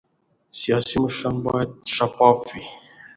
سیاسي مشران باید شفاف وي